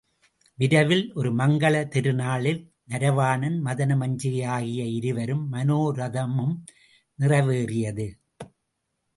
விரைவில் ஒரு மங்கலத் திருநாளில் நரவாணன் மதன மஞ்சிகை ஆகிய இருவர் மனோரதமும் நிறைவேறியது.